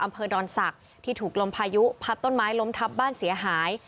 อำเภอดอนศักดิ์ที่ถูกลมพายุพัดต้นไม้ล้มทับบ้านเสียหาย